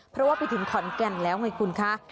เพราะว่าไปถึงขอนแก่นแล้วไงคุณคะ